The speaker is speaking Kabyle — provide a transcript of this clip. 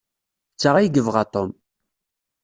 D ta ay yebɣa Tom.